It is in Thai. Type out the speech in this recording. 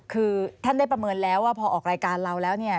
คือท่านได้ประเมินแล้วว่าพอออกรายการเราแล้วเนี่ย